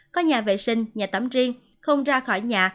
có nhà vệ sinh nhà tắm riêng không ra khỏi nhà